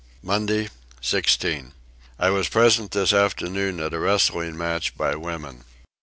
Monday 16. I was present this afternoon at a wrestling match by women.